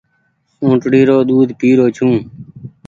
اُٽڙي رو ۮود پيرو ڇو۔